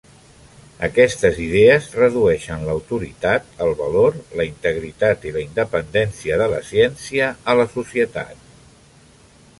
Aquestes idees redueixen l'autoritat, el valor, la integritat i la independència de la ciència a la societat.